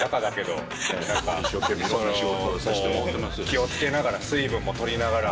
気を付けながら水分も取りながら。